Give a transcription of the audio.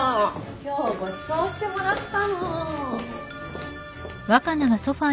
今日ごちそうしてもらったの。